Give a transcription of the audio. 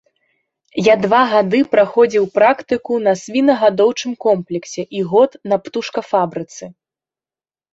Я два гады праходзіў практыку на свінагадоўчым комплексе і год на птушкафабрыцы.